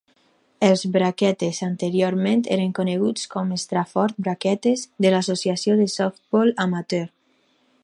Els Brakettes anteriorment eren coneguts com a Stratford Brakettes de l'Associació de softbol amateur.